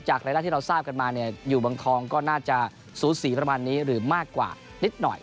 รายได้ที่เราทราบกันมาเนี่ยอยู่เมืองทองก็น่าจะสูสีประมาณนี้หรือมากกว่านิดหน่อย